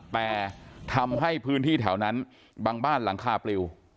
แต่ทำให้พื้นที่แถวนั้นบางบ้านหลังคาปลิว